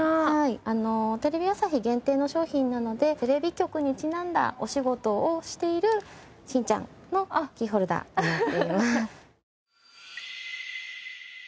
テレビ朝日限定の商品なのでテレビ局にちなんだお仕事をしているしんちゃんのキーホルダーになっています。